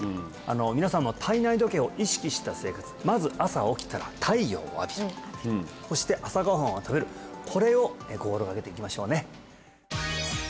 皆さんも体内時計を意識した生活まず朝起きたら太陽を浴びるそして朝ご飯を食べるこれを心掛けていきましょうね